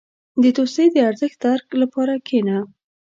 • د دوستۍ د ارزښت درک لپاره کښېنه.